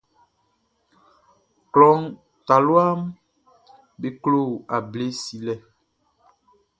Klɔ taluaʼm be klo able silɛ.